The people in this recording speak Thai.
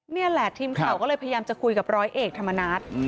นี่แหละทีมข่าวก็เลยพยายามจะคุยกับร้อยเอกธรรมนัฐ